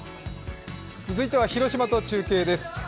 続いては広島と中継です。